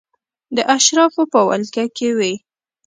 د اشرافو په ولکه کې وې.